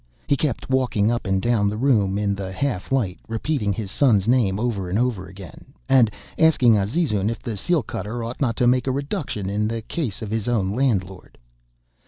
He kept walking up and down the room in the half light, repeating his son's name over and over again, and asking Azizun if the seal cutter ought not to make a reduction in the case of his own landlord.